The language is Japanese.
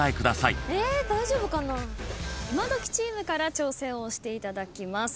イマドキチームから挑戦をしていただきます。